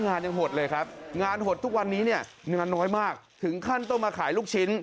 งานหดทุกวันนี้เนี่ยงานน้อยมากถึงขั้นต้นมาขายลูกชิ้น